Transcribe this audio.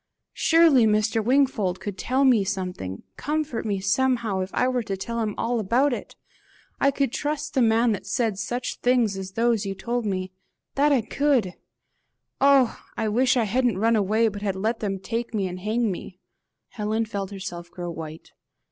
Surely Mr. Wingfold could tell me something comfort me somehow, if I were to tell him all about it! I could trust the man that said such things as those you told me. That I could! Oh! I wish I hadn't run away, but had let them take me and hang me!" Helen felt herself grow white.